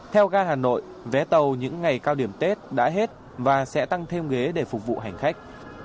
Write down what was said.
theo ga hà nội vé tàu những ngày cao điểm tết đã hết và sẽ tăng thêm ghế để phục vụ hành khách